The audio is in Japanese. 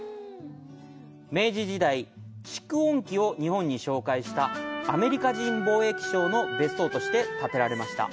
明治時代、蓄音機を日本に紹介したアメリカ人貿易商の別荘として建てられました。